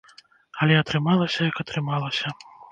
Але атрымалася як атрымалася.